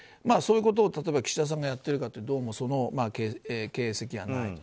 そういうことを岸田さんがやってるかというとどうもその形跡はない。